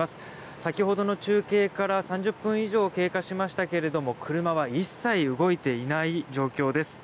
先ほどの中継から３０分以上経過しましたけれども車は一切動いていない状況です。